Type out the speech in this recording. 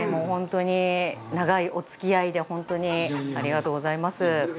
本当に長いおつき合いで本当にありがとうございます。